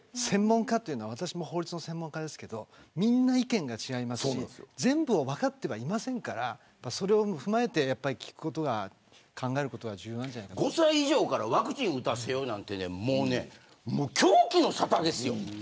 専門家というのは私も法律の専門家ですけどみんな意見が違いますし全部を分かってはいませんからそれを踏まえてやっぱり考えることが５歳以上からワクチン打たせようなんてねもう狂気の沙汰ですよ。